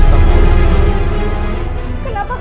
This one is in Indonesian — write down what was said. kenapa kamu tegas menjaga aku